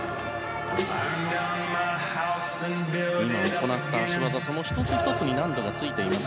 行った脚技のその１つ１つに難度がついています。